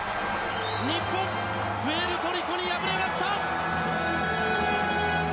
日本プエルトリコに敗れました。